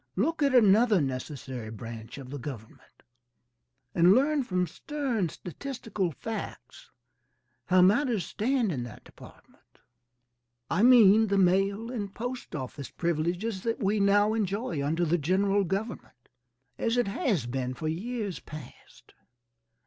Look at another necessary branch of government, and learn from stern statistical facts how matters stand in that department, I mean the mail and post office privileges that we now enjoy under the General Government, as it has been for years past.